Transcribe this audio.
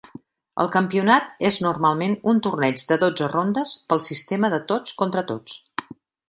El campionat és normalment un torneig de dotze rondes pel sistema de tots contra tots.